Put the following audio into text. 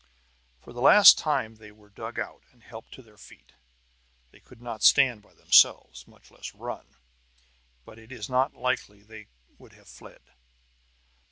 For the last time they were dug out and helped to their feet. They could not stand by themselves, much less run; but it is not likely they would have fled.